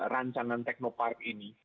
rancangan teknopark ini